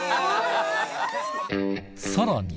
さらに。